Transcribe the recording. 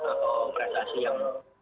atau prestasi yang